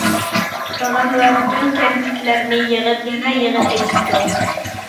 تاغام ۋە پۈتۈن كەنتتىكىلەرنى يىغىپ يەنە يىغىن ئېچىپتۇ.